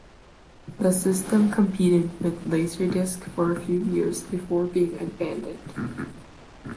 The system competed with Laserdisc for a few years, before being abandoned.